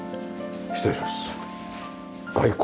失礼します。